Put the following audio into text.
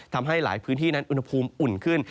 ทำให้หลายพื้นที่นั้นอุณหภูมิอุ่นขึ้น